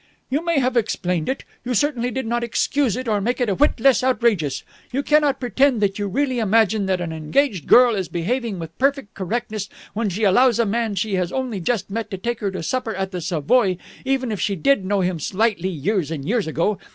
"You may have explained it. You certainly did not excuse it or make it a whit less outrageous. You cannot pretend that you really imagine that an engaged girl is behaving with perfect correctness when she allows a man she has only just met to take her to supper at the Savoy, even if she did know him slightly years and years ago.